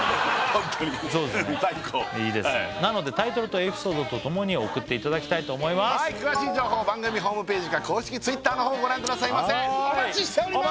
ホントに最高いいですねなのでタイトルとエピソードと共に送っていただきたいと思います詳しい情報番組ホームページか公式Ｔｗｉｔｔｅｒのほうご覧くださいませお待ちしております！